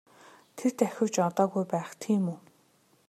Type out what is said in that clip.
Тэр давхиж одоогүй байх тийм үү?